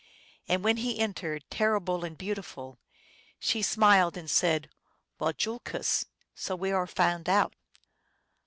And when He entered, terri ble and beautiful, he smiled and said, " Wayoolkoos !"" So we are found out